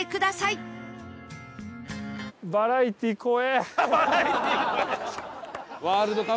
「バラエティ怖え」。